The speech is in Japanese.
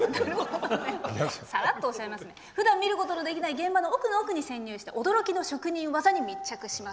ふだん、見ることのできない現場の奥の奥に潜入して驚きの職人技に密着します。